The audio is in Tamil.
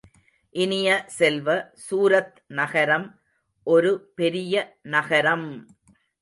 இனிய செல்வ, சூரத் நகரம் ஒரு பெரிய நகரம்!